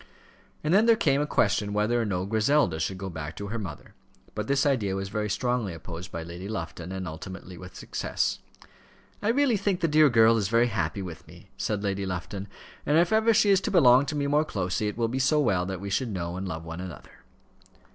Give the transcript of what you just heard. And then there came a question whether or no Griselda should go back to her mother; but this idea was very strongly opposed by Lady Lufton, and ultimately with success. "I really think the dear girl is very happy with me," said Lady Lufton; "and if ever she is to belong to me more closely, it will be so well that we should know and love one another."